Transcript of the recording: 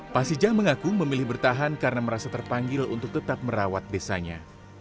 pasijah mengaku memilih bertahan karena merasa terpanggil untuk tetap merawat desanya